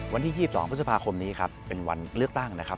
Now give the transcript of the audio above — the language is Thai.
วันที่๒๒พฤษภาคมนี้ครับเป็นวันเลือกตั้งนะครับ